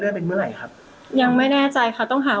ยืนช่องเหตุการณ์จะแจ้งยังไงนะคะ